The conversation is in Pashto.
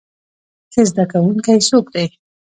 ښه زده کوونکی څوک دی؟